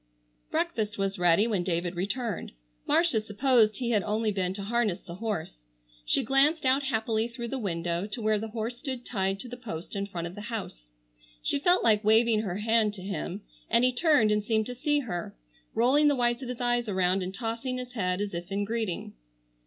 Breakfast was ready when David returned. Marcia supposed he had only been to harness the horse. She glanced out happily through the window to where the horse stood tied to the post in front of the house. She felt like waving her hand to him, and he turned and seemed to see her; rolling the whites of his eyes around, and tossing his head as if in greeting.